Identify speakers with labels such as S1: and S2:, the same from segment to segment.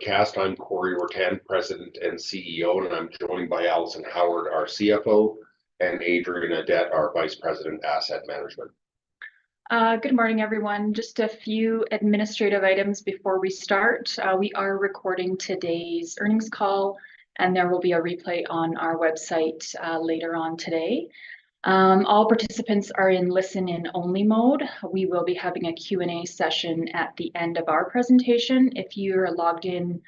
S1: Webcast, I'm Corey Ruttan, President and CEO, and I'm joined by Alison Howard, our CFO, and Adrian Audet, our Vice President, Asset Management.
S2: Good morning, everyone. Just a few administrative items before we start. We are recording today's earnings call, and there will be a replay on our website later today. All participants are in listen-in-only mode. We will be having a Q&A session at the end of our presentation. If you're logged in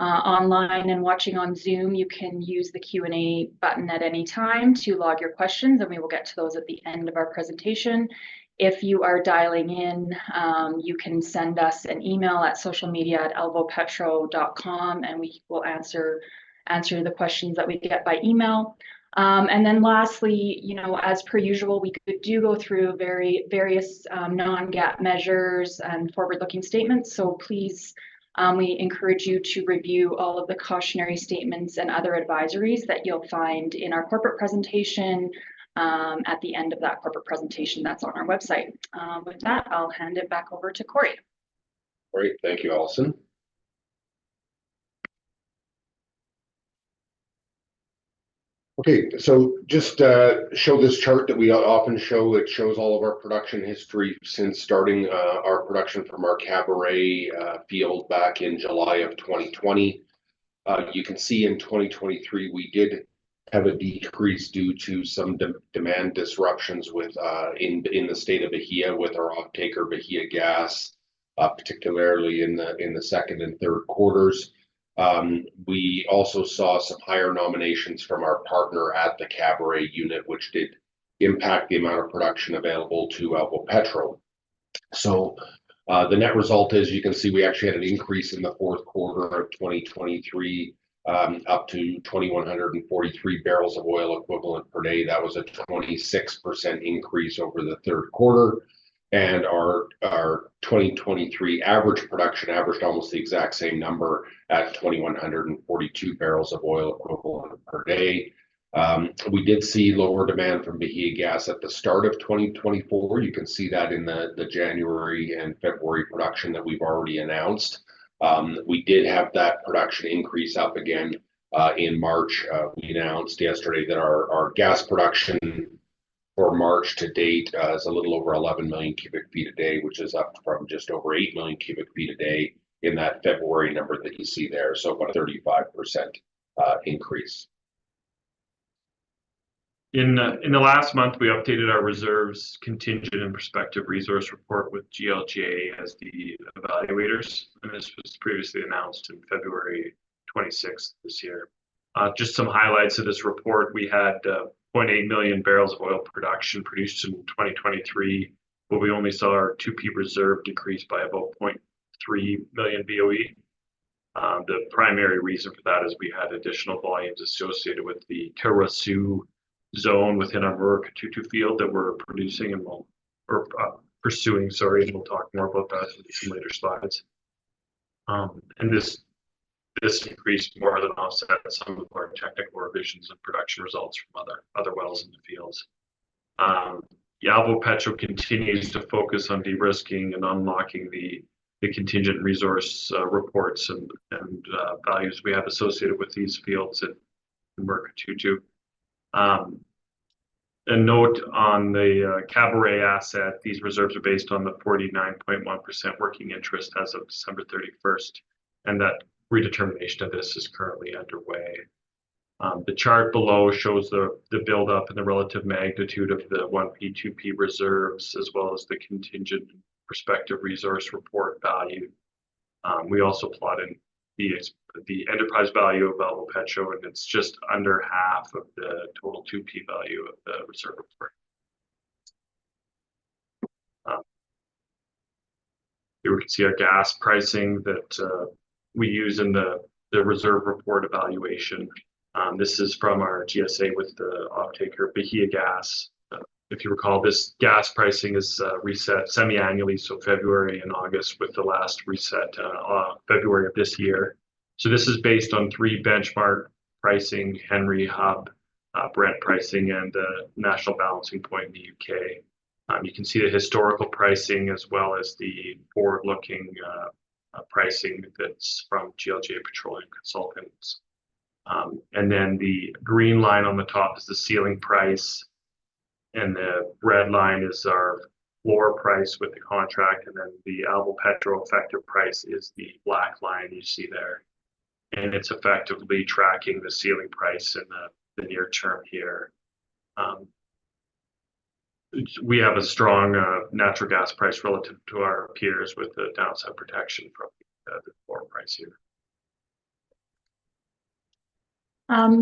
S2: online and watching on Zoom, you can use the Q&A button at any time to log your questions, and we will get to those at the end of our presentation. If you are dialing in, you can send us an email at socialmedia@alvopetro.com, and we will answer the questions that we get by email. And then lastly, you know, as per usual, we do go through various non-GAAP measures and forward-looking statements. So please, we encourage you to review all of the cautionary statements and other advisories that you'll find in our corporate presentation, at the end of that corporate presentation that's on our website. With that, I'll hand it back over to Corey.
S1: Great. Thank you, Alison. Okay, so just to show this chart that we often show, it shows all of our production history since starting our production from our Caburé field back in July of 2020. You can see in 2023, we did have a decrease due to some demand disruptions within the state of Bahia with our offtaker, Bahiagás, particularly in the second and third quarters. We also saw some higher nominations from our partner at the Caburé unit, which did impact the amount of production available to Alvopetro. So, the net result is, you can see we actually had an increase in the fourth quarter of 2023, up to 2,143 barrels of oil equivalent per day. That was a 26% increase over the third quarter, and our 2023 average production averaged almost the exact same number at 2,142 barrels of oil equivalent per day. We did see lower demand from Bahiagás at the start of 2024. You can see that in the January and February production that we've already announced. We did have that production increase up again in March. We announced yesterday that our gas production for March to date is a little over 11 million cubic feet a day, which is up from just over 8 million cubic feet a day in that February number that you see there, so about a 35% increase.
S3: In the last month, we updated our reserves contingent and prospective resource report with GLJ as the evaluators, and this was previously announced in February 26th this year. Just some highlights of this report. We had 0.8 million barrels of oil production produced in 2023, but we only saw our 2P reserves decrease by about 0.3 million BOE. The primary reason for that is we had additional volumes associated with the Caruaçu zone within our Murucututu field that we're pursuing, sorry, and we'll talk more about that in a few later slides. And this increase more than offset some of our technical revisions and production results from other wells in the fields. Alvopetro continues to focus on de-risking and unlocking the contingent resource reports and values we have associated with these fields at the Murucututu. A note on the Caburé asset, these reserves are based on the 49.1% working interest as of December 31st, and that redetermination of this is currently underway. The chart below shows the build-up and the relative magnitude of the 1P, 2P reserves, as well as the contingent prospective resource report value. We also plotted the enterprise value of Alvopetro, and it's just under half of the total 2P value of the reserve report. Here we can see our gas pricing that we use in the reserve report evaluation. This is from our GSA with the offtaker, Bahiagás. If you recall, this gas pricing is reset semi-annually, so February and August, with the last reset February of this year. So this is based on three benchmark pricing, Henry Hub, Brent pricing, and National Balancing Point in the U.K. You can see the historical pricing as well as the forward-looking pricing that's from GLJ Petroleum Consultants. And then the green line on the top is the ceiling price, and the red line is our lower price with the contract, and then the Alvopetro effective price is the black line you see there, and it's effectively tracking the ceiling price in the near term here. We have a strong natural gas price relative to our peers with the downside protection from the lower price here.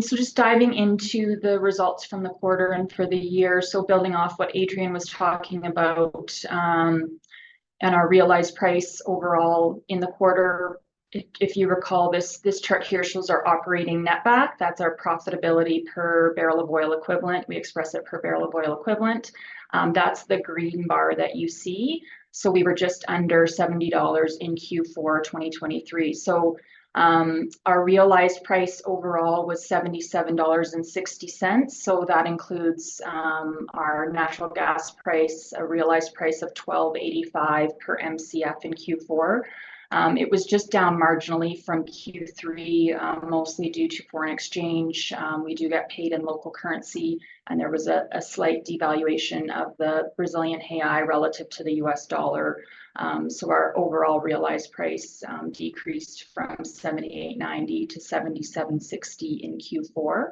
S2: So just diving into the results from the quarter and for the year, so building off what Adrian was talking about, and our realized price overall in the quarter, if you recall, this chart here shows our operating netback. That's our profitability per barrel of oil equivalent. We express it per barrel of oil equivalent. That's the green bar that you see. So we were just under $70 in Q4 2023. So, our realized price overall was $77.60, so that includes, our natural gas price, a realized price of $12.85 per Mcf in Q4. It was just down marginally from Q3, mostly due to foreign exchange. We do get paid in local currency, and there was a slight devaluation of the Brazilian real relative to the U.S. dollar. So our overall realized price decreased from $78.90-$77.60 in Q4.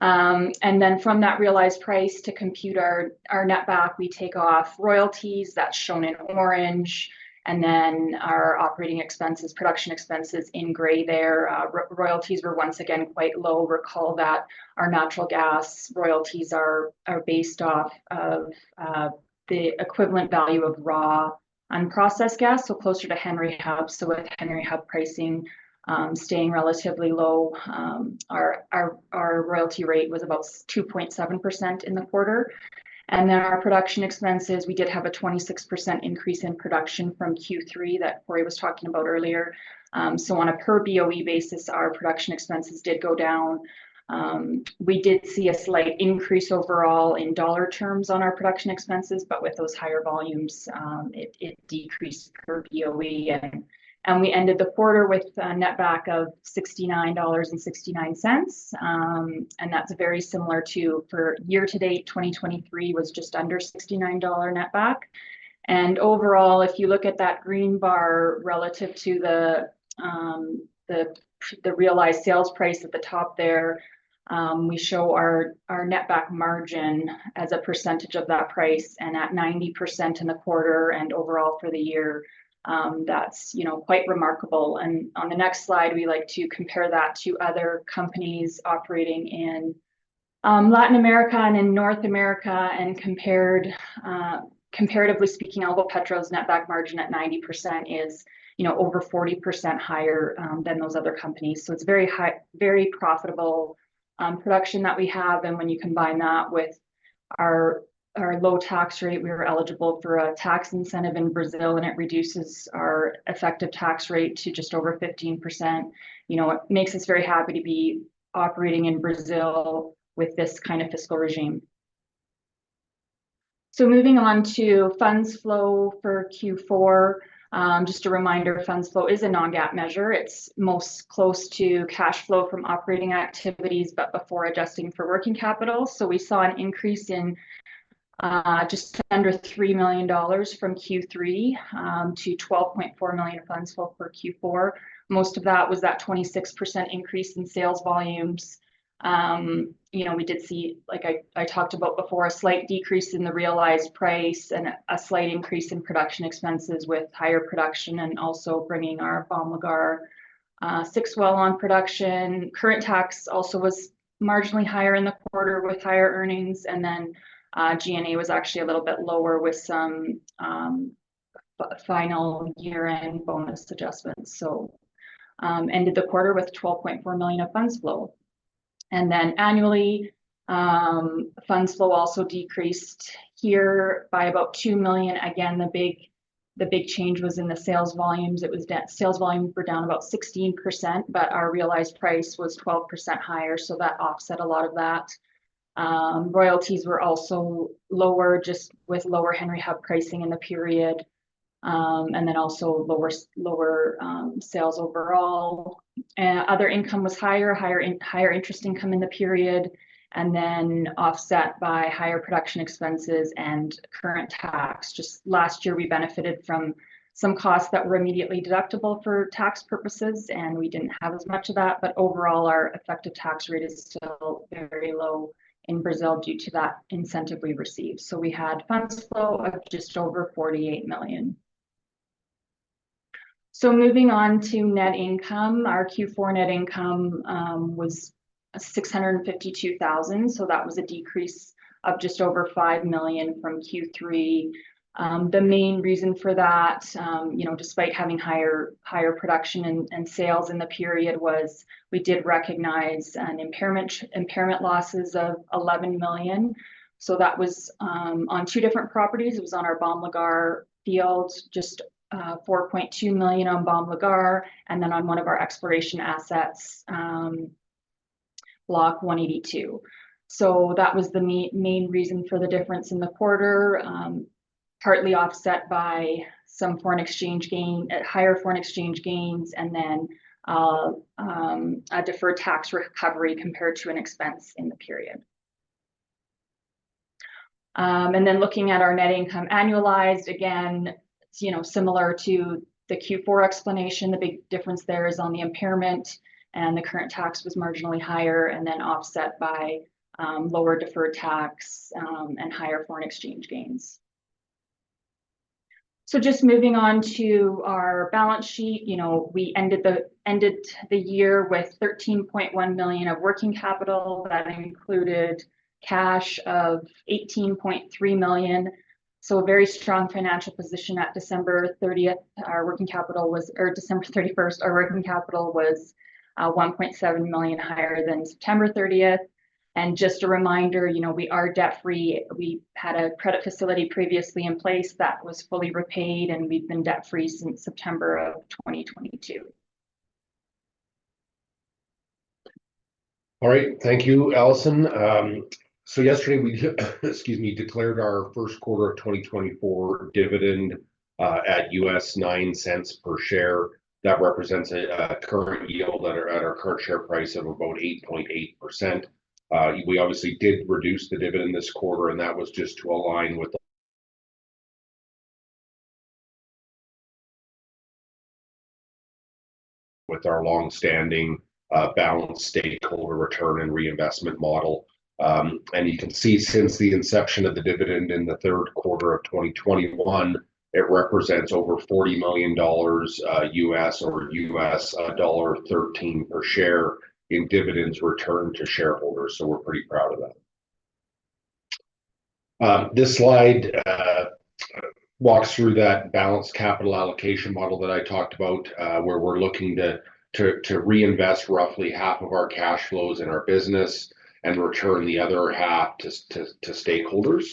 S2: And then from that realized price to compute our netback, we take off royalties, that's shown in orange, and then our operating expenses, production expenses in gray there. Royalties were once again quite low. Recall that our natural gas royalties are based off of the equivalent value of raw, unprocessed gas, so closer to Henry Hub. So with Henry Hub pricing staying relatively low, our royalty rate was about 2.7% in the quarter. And then our production expenses, we did have a 26% increase in production from Q3 that Corey was talking about earlier. So on a per BOE basis, our production expenses did go down. We did see a slight increase overall in dollar terms on our production expenses, but with those higher volumes, it decreased per BOE. And we ended the quarter with a netback of $69.69, and that's very similar to year-to-date 2023, which was just under $69 netback. And overall, if you look at that green bar relative to the realized sales price at the top there, we show our netback margin as a percentage of that price, and at 90% in the quarter and overall for the year, that's, you know, quite remarkable. And on the next slide, we like to compare that to other companies operating in Latin America and in North America. Compared, comparatively speaking, Alvopetro's netback margin at 90% is, you know, over 40% higher than those other companies. So it's very high, very profitable production that we have, and when you combine that with our, our low tax rate, we are eligible for a tax incentive in Brazil, and it reduces our effective tax rate to just over 15%. You know, it makes us very happy to be operating in Brazil with this kind of fiscal regime. So moving on to funds flow for Q4. Just a reminder, funds flow is a non-GAAP measure. It's most close to cash flow from operating activities, but before adjusting for working capital. So we saw an increase in just under $3 million from Q3 to $12.4 million of funds flow for Q4. Most of that was that 26% increase in sales volumes. You know, we did see, like I talked about before, a slight decrease in the realized price and a slight increase in production expenses with higher production, and also bringing our Bom Lugar six well on production. Current tax also was marginally higher in the quarter with higher earnings, and then G&A was actually a little bit lower with some final year-end bonus adjustments. Ended the quarter with $12.4 million of funds flow. And then annually, funds flow also decreased here by about $2 million. Again, the big change was in the sales volumes. It was sales volume were down about 16%, but our realized price was 12% higher, so that offset a lot of that. Royalties were also lower, just with lower Henry Hub pricing in the period, and then also lower sales overall. And other income was higher, higher interest income in the period, and then offset by higher production expenses and current tax. Just last year, we benefited from some costs that were immediately deductible for tax purposes, and we didn't have as much of that. But overall, our effective tax rate is still very low in Brazil due to that incentive we received. So we had funds flow of just over $48 million. So moving on to net income. Our Q4 net income was $652,000, so that was a decrease of just over $5 million from Q3. The main reason for that, you know, despite having higher production and sales in the period, was we did recognize impairment losses of $11 million. So that was on two different properties. It was on our Bom Lugar field, just $4.2 million on Bom Lugar, and then on one of our exploration assets, Block 182. So that was the main reason for the difference in the quarter, partly offset by some foreign exchange gain, higher foreign exchange gains, and then a deferred tax recovery compared to an expense in the period. And then looking at our net income annualized, again, you know, similar to the Q4 explanation, the big difference there is on the impairment, and the current tax was marginally higher, and then offset by lower deferred tax and higher foreign exchange gains. So just moving on to our balance sheet, you know, we ended the year with $13.1 million of working capital. That included cash of $18.3 million, so a very strong financial position at December thirtieth. Our working capital was, or December 31st, our working capital was $1.7 million higher than September 30th. And just a reminder, you know, we are debt-free. We had a credit facility previously in place that was fully repaid, and we've been debt-free since September of 2022.
S1: All right. Thank you, Alison. So yesterday, we declared our first quarter of 2024 dividend at $0.09 per share. That represents a current yield at our current share price of about 8.8%. We obviously did reduce the dividend this quarter, and that was just to align with our long-standing balanced stakeholder return and reinvestment model. And you can see since the inception of the dividend in the third quarter of 2021, it represents over $40 million or $13 per share in dividends returned to shareholders, so we're pretty proud of that. This slide walks through that balanced capital allocation model that I talked about, where we're looking to reinvest roughly half of our cash flows in our business and return the other half to stakeholders.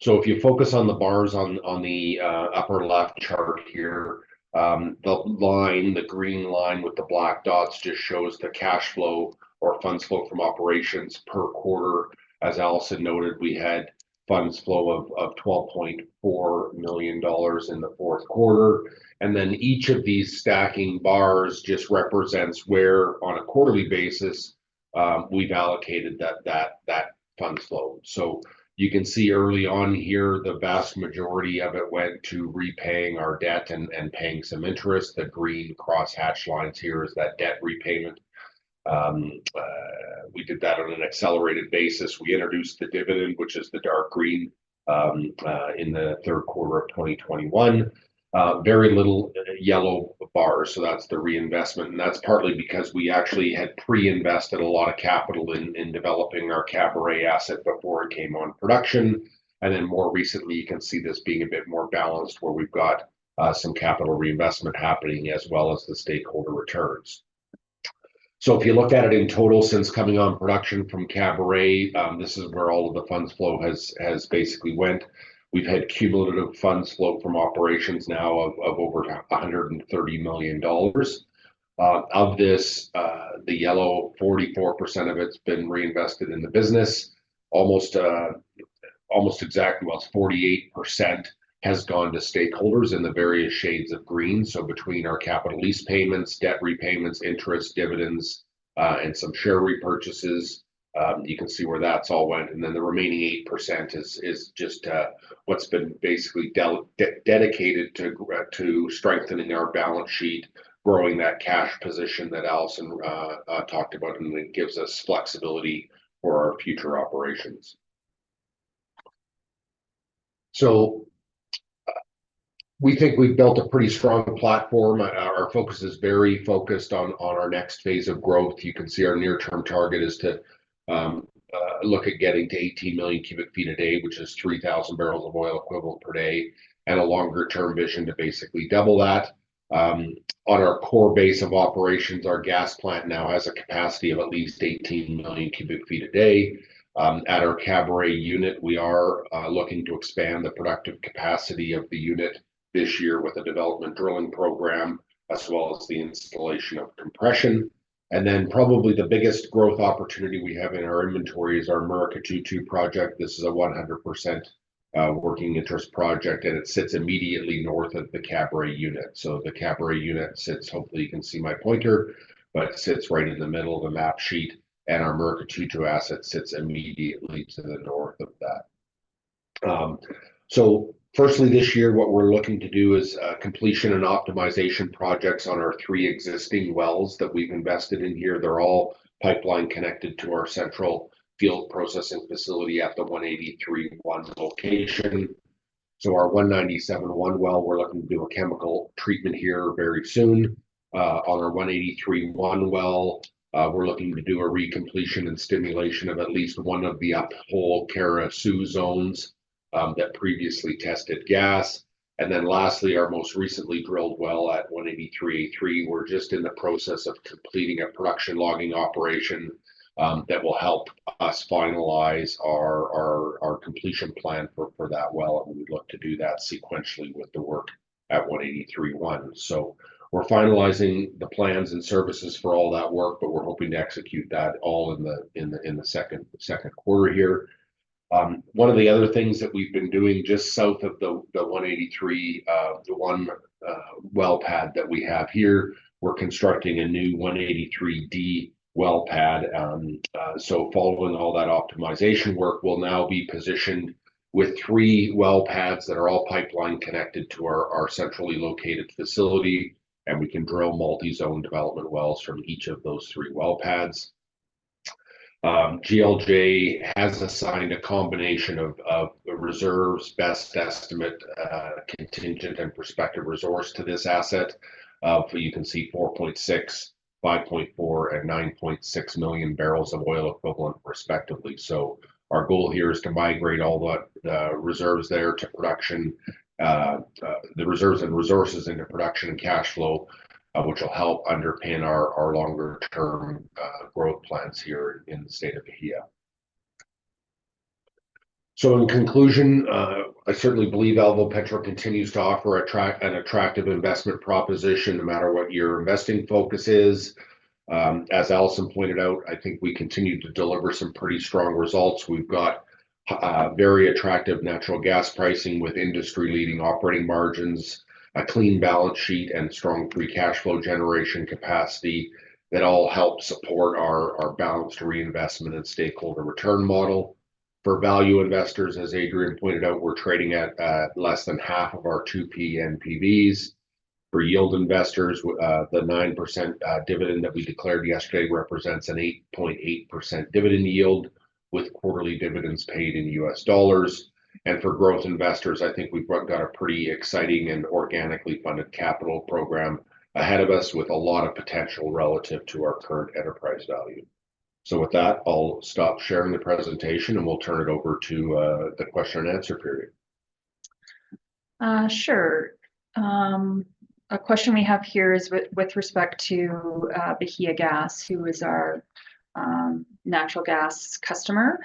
S1: So if you focus on the bars on the upper left chart here, the line, the green line with the black dots, just shows the cash flow or funds flow from operations per quarter. As Alison noted, we had funds flow of $12.4 million in the fourth quarter, and then each of these stacking bars just represents where, on a quarterly basis, we've allocated that funds flow. So you can see early on here, the vast majority of it went to repaying our debt and paying some interest. The green cross-hatch lines here is that debt repayment. We did that on an accelerated basis. We introduced the dividend, which is the dark green in the third quarter of 2021. Very little yellow bars, so that's the reinvestment. And that's partly because we actually had pre-invested a lot of capital in developing our Caburé asset before it came on production. And then more recently, you can see this being a bit more balanced, where we've got some capital reinvestment happening, as well as the stakeholder returns. So if you look at it in total, since coming on production from Caburé, this is where all of the funds flow has basically went. We've had cumulative funds flow from operations now of over $130 million. Of this, the yellow, 44% of it's been reinvested in the business. Almost, almost exactly, 48% has gone to stakeholders in the various shades of green. So between our capital lease payments, debt repayments, interest dividends, and some share repurchases, you can see where that's all went. And then the remaining 8% is just what's been basically dedicated to strengthening our balance sheet, growing that cash position that Alison talked about, and it gives us flexibility for our future operations. So, we think we've built a pretty strong platform. Our focus is very focused on our next phase of growth. You can see our near-term target is to look at getting to 18,000,000 cu ft a day, which is 3,000 barrels of oil equivalent per day, and a longer-term vision to basically double that. On our core base of operations, our gas plant now has a capacity of at least 18 million cubic feet a day. At our Caburé unit, we are looking to expand the productive capacity of the unit this year with a development drilling program, as well as the installation of compression. And then probably the biggest growth opportunity we have in our inventory is our Murucututu project. This is a 100% working interest project, and it sits immediately north of the Caburé unit. So the Caburé unit sits. Hopefully, you can see my pointer, but it sits right in the middle of the map sheet, and our Murucututu asset sits immediately to the north of that. So firstly, this year, what we're looking to do is completion and optimization projects on our three existing wells that we've invested in here. They're all pipeline connected to our central field processing facility at the 183-1 location. So our 197-1 well, we're looking to do a chemical treatment here very soon. On our 183-1 well, we're looking to do a recompletion and stimulation of at least one of the upper Caruaçu zones that previously tested gas. And then lastly, our most recently drilled well at 183-3, we're just in the process of completing a production logging operation that will help us finalize our completion plan for that well, and we look to do that sequentially with the work at 183-1. So we're finalizing the plans and services for all that work, but we're hoping to execute that all in the second quarter here. One of the other things that we've been doing just south of the 183 well pad that we have here, we're constructing a new 183-D well pad. So following all that optimization work, we'll now be positioned with three well pads that are all pipeline connected to our centrally located facility, and we can drill multi-zone development wells from each of those three well pads. GLJ has assigned a combination of the reserves, best estimate, contingent and prospective resource to this asset. So you can see 4.6, 5.4, and 9.6 million barrels of oil equivalent respectively. So our goal here is to migrate all the reserves there to production, the reserves and resources into production and cash flow, which will help underpin our longer term growth plans here in the state of Bahia. So in conclusion, I certainly believe Alvopetro continues to offer an attractive investment proposition, no matter what your investing focus is. As Alison pointed out, I think we continue to deliver some pretty strong results. We've got very attractive natural gas pricing with industry-leading operating margins, a clean balance sheet, and strong free cash flow generation capacity that all help support our balanced reinvestment and stakeholder return model. For value investors, as Adrian pointed out, we're trading at less than half of our 2P NPVs. For yield investors, the 9% dividend that we declared yesterday represents an 8.8% dividend yield, with quarterly dividends paid in U.S. dollars. And for growth investors, I think we've got a pretty exciting and organically funded capital program ahead of us, with a lot of potential relative to our current enterprise value. So with that, I'll stop sharing the presentation, and we'll turn it over to the question and answer period.
S2: Sure. A question we have here is with respect to Bahiagás, who is our natural gas customer.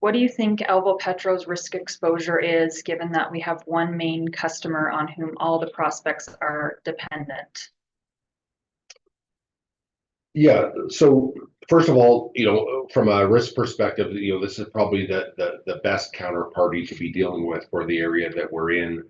S2: What do you think Alvopetro's risk exposure is, given that we have one main customer on whom all the prospects are dependent?
S1: Yeah. So first of all, you know, from a risk perspective, you know, this is probably the best counterparty to be dealing with for the area that we're in.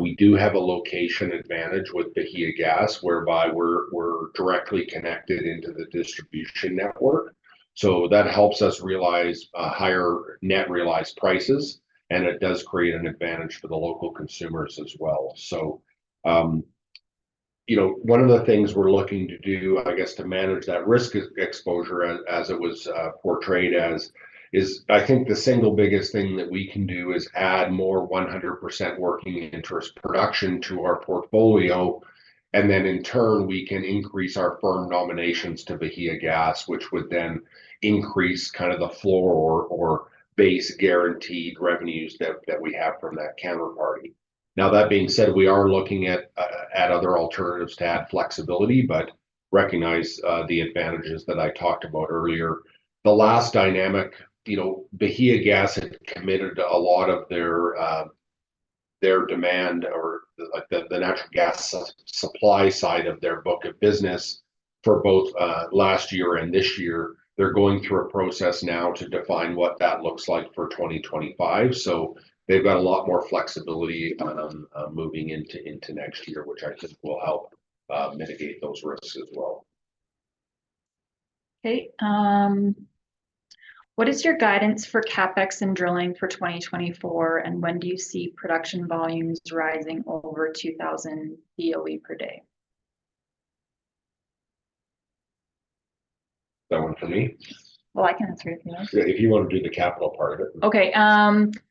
S1: We do have a location advantage with Bahiagás, whereby we're directly connected into the distribution network, so that helps us realize higher net realized prices, and it does create an advantage for the local consumers as well. So, you know, one of the things we're looking to do, I guess, to manage that risk exposure as it was portrayed as is. I think the single biggest thing that we can do is add more 100% working interest production to our portfolio, and then in turn, we can increase our firm nominations to Bahiagás, which would then increase kind of the floor or base guaranteed revenues that we have from that counterparty. Now, that being said, we are looking at at other alternatives to add flexibility, but recognize the advantages that I talked about earlier. The last dynamic, you know, Bahiagás had committed a lot of their their demand, or, like, the the natural gas supply side of their book of business for both last year and this year. They're going through a process now to define what that looks like for 2025, so they've got a lot more flexibility, moving into next year, which I think will help mitigate those risks as well.
S2: Okay, what is your guidance for CapEx and drilling for 2024, and when do you see production volumes rising over 2,000 BOE per day?
S1: That one for me?
S2: Well, I can answer it, you know.
S1: Yeah, if you want to do the capital part of it.
S2: Okay,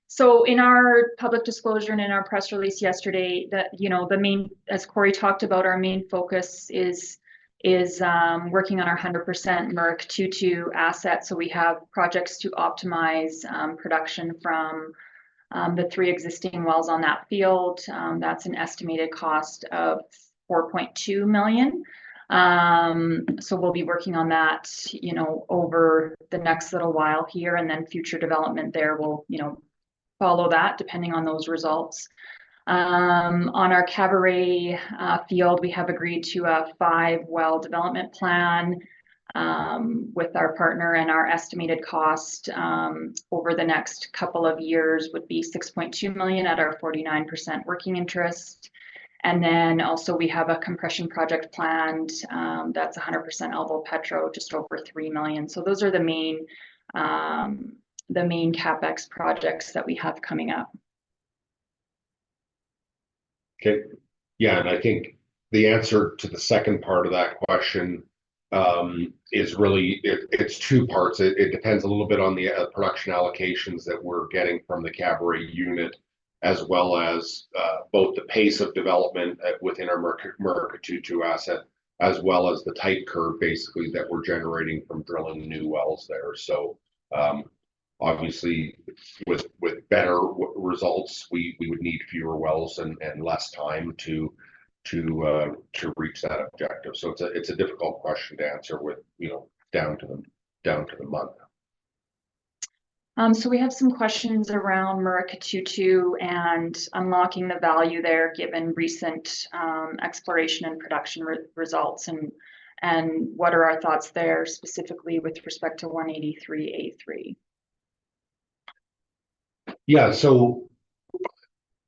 S2: so in our public disclosure and in our press release yesterday, you know, the main, as Corey talked about, our main focus is working on our 100% Murucututu asset. So we have projects to optimize production from the three existing wells on that field. That's an estimated cost of $4.2 million. So we'll be working on that, you know, over the next little while here, and then future development there will, you know, follow that, depending on those results. On our Caburé field, we have agreed to a five-well development plan with our partner. And our estimated cost over the next couple of years would be $6.2 million at our 49% working interest. And then also, we have a compression project planned, that's 100% Alvopetro, just over $3 million. Those are the main, the main CapEx projects that we have coming up.
S1: Okay. Yeah, and I think the answer to the second part of that question is really. It's two parts. It depends a little bit on the production allocations that we're getting from the Caburé unit, as well as both the pace of development within our Murucututu asset, as well as the tight curve, basically, that we're generating from drilling new wells there. So, obviously, with better results, we would need fewer wells and less time to reach that objective. So it's a difficult question to answer with, you know, down to the month.
S2: So we have some questions around Murucututu and unlocking the value there, given recent exploration and production results, and what are our thoughts there, specifically with respect to 183-A3?
S1: Yeah, so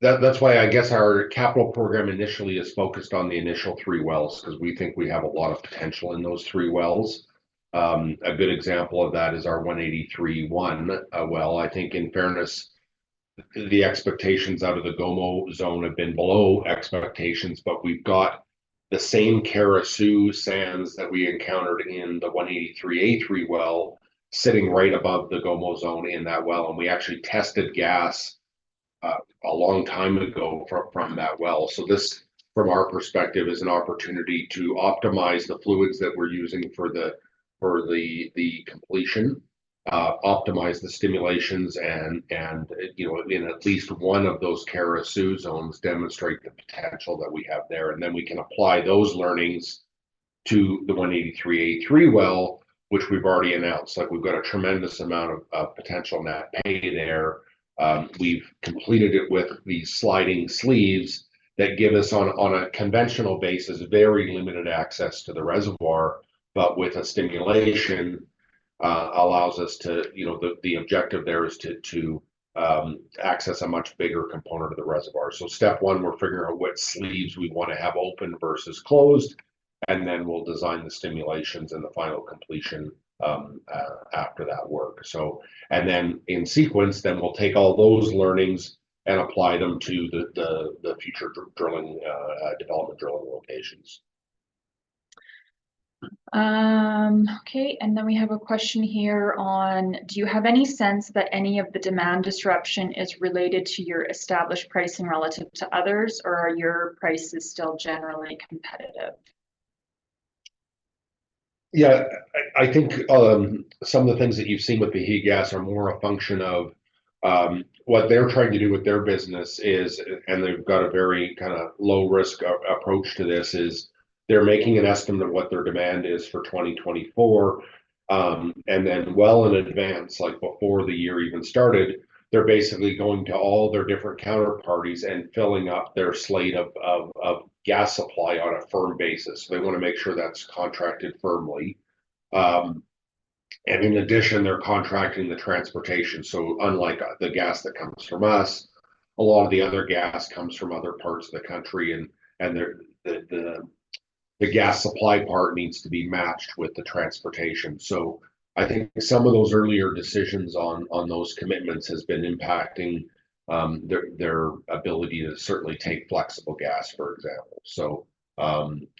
S1: that's why I guess our capital program initially is focused on the initial three wells, 'cause we think we have a lot of potential in those three wells. A good example of that is our 183-1 well. I think, in fairness, the expectations out of the Gomo Zone have been below expectations, but we've got the same Caruaçu sands that we encountered in the 183-A3 well, sitting right above the Gomo Zone in that well. We actually tested gas a long time ago from that well. So this, from our perspective, is an opportunity to optimize the fluids that we're using for the completion, optimize the stimulations, and, you know, in at least one of those Caruaçu zones, demonstrate the potential that we have there. And then we can apply those learnings to the 183-A3 well, which we've already announced. Like, we've got a tremendous amount of potential in that pay there. We've completed it with the sliding sleeves that give us, on a conventional basis, very limited access to the reservoir, but with a stimulation allows us to. You know, the objective there is to access a much bigger component of the reservoir. So step one, we're figuring out what sleeves we want to have open versus closed, and then we'll design the stimulations and the final completion after that work. So, and then in sequence, then we'll take all those learnings and apply them to the future drilling, development drilling locations.
S2: Okay, and then we have a question here on: Do you have any sense that any of the demand disruption is related to your established pricing relative to others, or are your prices still generally competitive?
S1: Yeah, I, I think some of the things that you've seen with Bahiagás are more a function of what they're trying to do with their business, and they've got a very kind of low-risk approach to this: they're making an estimate of what their demand is for 2024. And then well in advance, like, before the year even started, they're basically going to all their different counterparties and filling up their slate of gas supply on a firm basis. They want to make sure that's contracted firmly. And in addition, they're contracting the transportation. So unlike the gas that comes from us, a lot of the other gas comes from other parts of the country, and the gas supply part needs to be matched with the transportation. So I think some of those earlier decisions on those commitments has been impacting their ability to certainly take flexible gas, for example. So,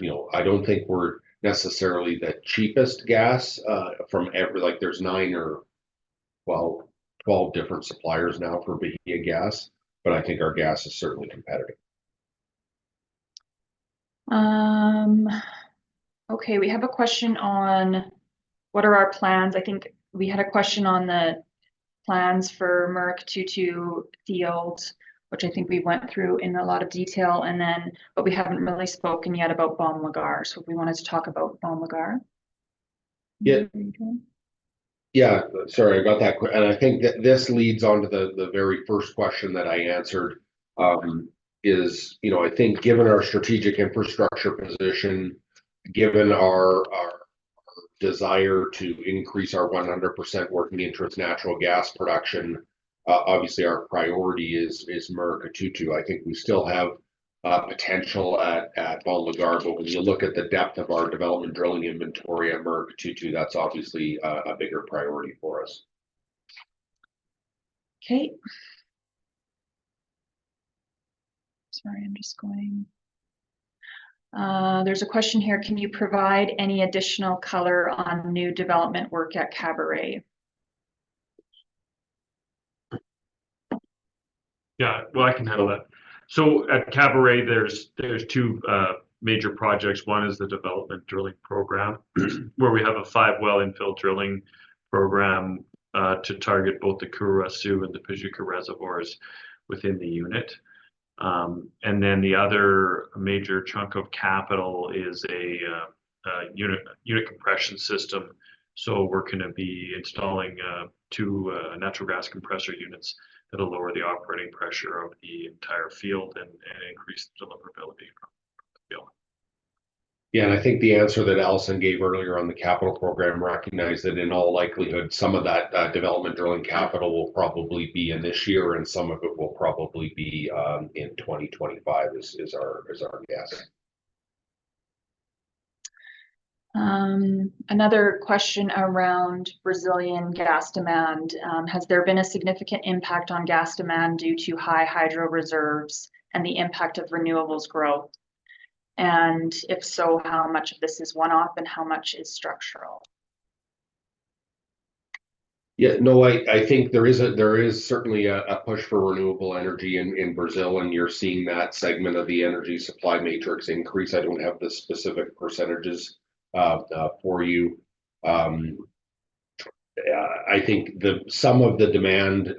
S1: you know, I don't think we're necessarily the cheapest gas from every. Like, there's 9 or, well, 12 different suppliers now for Bahiagás, but I think our gas is certainly competitive.
S2: Okay, we have a question on what are our plans. I think we had a question on the plans for Murucututu field, which I think we went through in a lot of detail, and then, but we haven't really spoken yet about Bom Lugar. So if we wanted to talk about Bom Lugar?
S1: Yeah.
S2: Okay.
S1: Yeah, sorry about that. And I think that this leads on to the very first question that I answered, is, you know, I think given our strategic infrastructure position, given our desire to increase our 100% working interest natural gas production, obviously, our priority is Murucututu. I think we still have potential at Bom Lugar, but when you look at the depth of our development drilling inventory at Murucututu, that's obviously a bigger priority for us.
S2: Okay. Sorry, I'm just goin. There's a question here: Can you provide any additional color on new development work at Caburé?
S3: Yeah, well, I can handle that. So at Caburé, there's two major projects. One is the development drilling program, where we have a five well infill drilling program to target both the Caruaçu and the Pijuca reservoirs within the unit. And then, the other major chunk of capital is a unit compression system. So we're gonna be installing two natural gas compressor units that'll lower the operating pressure of the entire field and increase the deliverability from the field.
S1: Yeah, and I think the answer that Alison gave earlier on the capital program recognized that in all likelihood, some of that, development drilling capital will probably be in this year, and some of it will probably be in 2025, is our guess.
S2: Another question around Brazilian gas demand. Has there been a significant impact on gas demand due to high hydro reserves and the impact of renewables growth? And if so, how much of this is one-off and how much is structural?
S1: Yeah, no, I think there is certainly a push for renewable energy in Brazil, and you're seeing that segment of the energy supply matrix increase. I don't have the specific percentages for you. I think some of the demand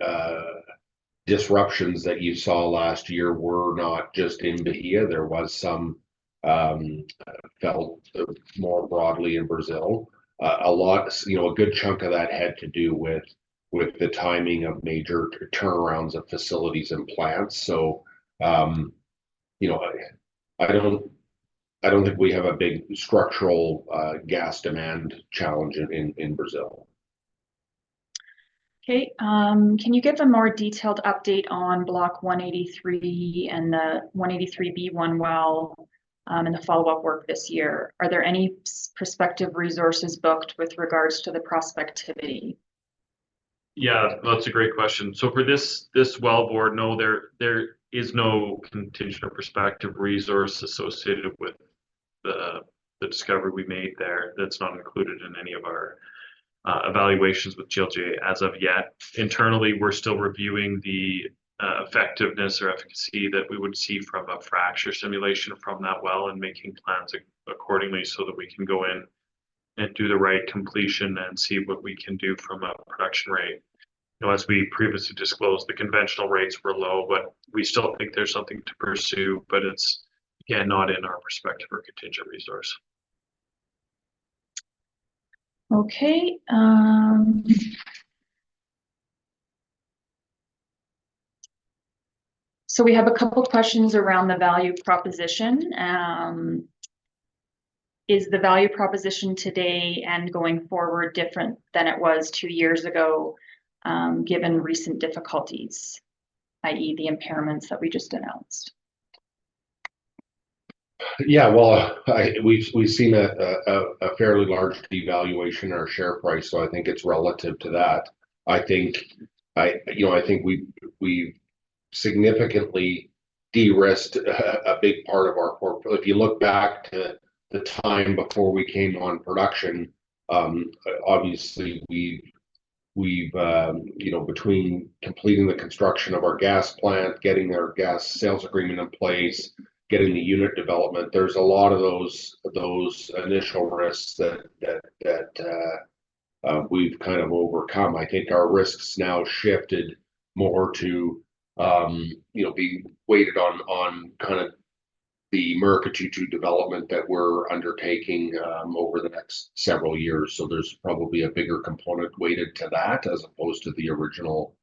S1: disruptions that you saw last year were not just in Bahia. There was some felt more broadly in Brazil. A lot, you know, a good chunk of that had to do with the timing of major turnarounds of facilities and plants. So, you know, I don't think we have a big structural gas demand challenge in Brazil.
S2: Okay, can you give a more detailed update on Block 183 and the 183-B1 well, and the follow-up work this year? Are there any prospective resources booked with regards to the prospectivity?
S3: Yeah, that's a great question. So for this wellbore, no, there is no contingent or prospective resource associated with the discovery we made there. That's not included in any of our evaluations with GLJ as of yet. Internally, we're still reviewing the effectiveness or efficacy that we would see from a fracture simulation from that well, and making plans accordingly, so that we can go in and do the right completion, and see what we can do from a production rate. Now, as we previously disclosed, the conventional rates were low, but we still think there's something to pursue, but it's, again, not in our prospective or contingent resource.
S2: Okay, so we have a couple questions around the value proposition. Is the value proposition today and going forward different than it was two years ago, given recent difficulties, i.e., the impairments that we just announced?
S1: Yeah, well, we've seen a fairly large devaluation in our share price, so I think it's relative to that. I think. You know, I think we've significantly de-risked a big part of our corp. If you look back to the time before we came on production, obviously, we've. You know, between completing the construction of our gas plant, getting our gas sales agreement in place, getting the unit development, there's a lot of those initial risks that we've kind of overcome. I think our risk's now shifted more to, you know, being weighted on kind of the Murucututu development that we're undertaking over the next several years. So there's probably a bigger component weighted to that, as opposed to the original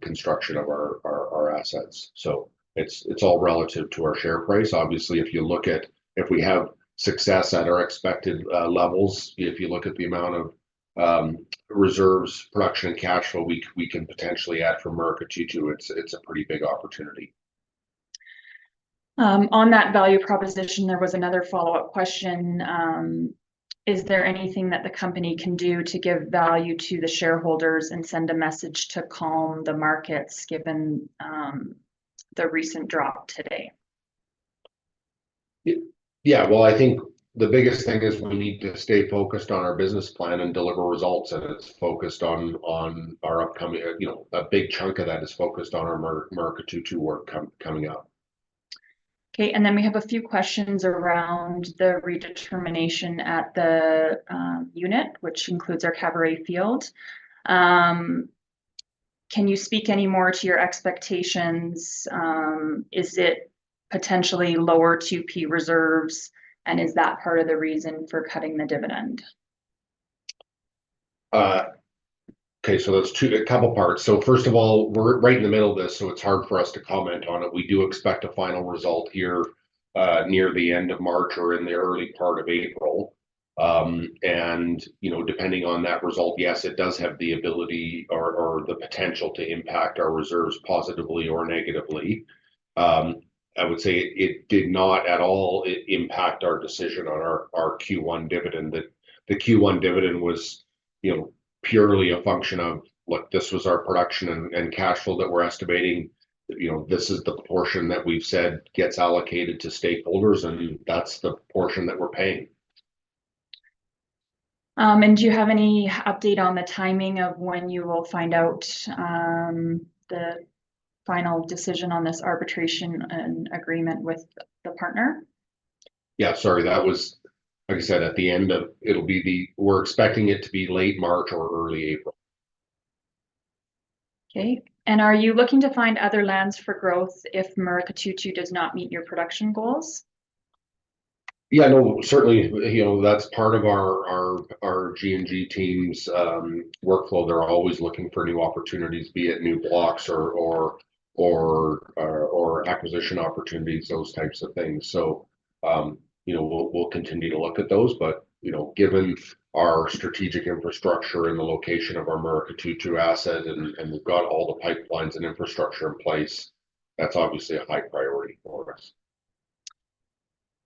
S1: construction of our assets. So it's all relative to our share price. Obviously, if you look at, if we have success at our expected levels, if you look at the amount of reserves, production, and cash flow we can potentially add from Murucututu, it's a pretty big opportunity.
S2: On that value proposition, there was another follow-up question. Is there anything that the company can do to give value to the shareholders, and send a message to calm the markets, given the recent drop today?
S1: Yeah, well, I think the biggest thing is we need to stay focused on our business plan and deliver results, and it's focused on, on our upcoming. You know, a big chunk of that is focused on our Murucututu work coming up.
S2: Okay, and then we have a few questions around the redetermination at the unit, which includes our Caburé field. Can you speak any more to your expectations? Is it potentially lower 2P reserves, and is that part of the reason for cutting the dividend?
S1: Okay, so that's two. A couple parts. So first of all, we're right in the middle of this, so it's hard for us to comment on it. We do expect a final result here, near the end of March or in the early part of April. And, you know, depending on that result, yes, it does have the ability or, or the potential to impact our reserves positively or negatively. I would say it did not at all impact our decision on our Q1 dividend. The Q1 dividend was, you know, purely a function of, look, this was our production and cashflow that we're estimating. You know, this is the portion that we've said gets allocated to stakeholders, and that's the portion that we're paying.
S2: Do you have any update on the timing of when you will find out the final decision on this arbitration and agreement with the partner?
S1: Yeah, sorry, that was. Like I said, at the end of it'll be the. We're expecting it to be late March or early April.
S2: Okay, and are you looking to find other lands for growth if Murucututu does not meet your production goals?
S1: Yeah, no, certainly, you know, that's part of our G&G team's workflow. They're always looking for new opportunities, be it new blocks or acquisition opportunities, those types of things. So, you know, we'll continue to look at those, but, you know, given our strategic infrastructure and the location of our Murucututu asset, and we've got all the pipelines and infrastructure in place, that's obviously a high priority for us.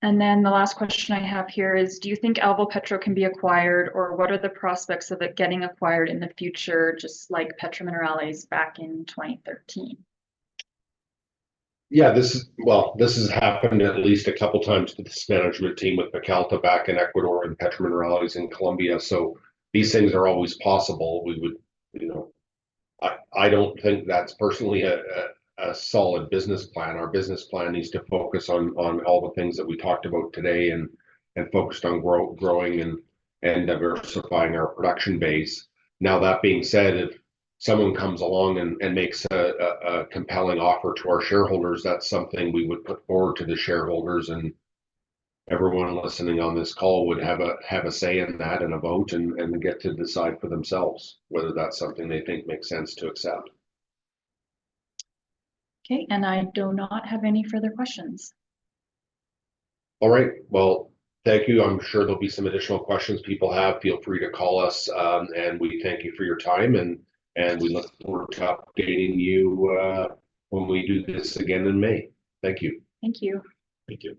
S2: The last question I have here is. Do you think Alvopetro can be acquired, or what are the prospects of it getting acquired in the future, just like Petrominerales back in 2013?
S1: Yeah, this is. Well, this has happened at least a couple times with this management team, with Pacalta back in Ecuador and Petrominerales in Colombia, so these things are always possible. We would, you know. I don't think that's personally a solid business plan. Our business plan is to focus on all the things that we talked about today, and focused on growing and diversifying our production base. Now, that being said, if someone comes along and makes a compelling offer to our shareholders, that's something we would put forward to the shareholders, and everyone listening on this call would have a say in that and a vote, and get to decide for themselves whether that's something they think makes sense to accept.
S2: Okay, I do not have any further questions.
S1: All right. Well, thank you. I'm sure there'll be some additional questions people have. Feel free to call us, and we thank you for your time, and we look forward to updating you, when we do this again in May. Thank you.
S2: Thank you.
S3: Thank you.